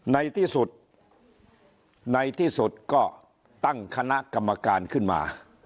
ในที่สุดในที่สุดก็ตั้งคณะกรรมการขึ้นมา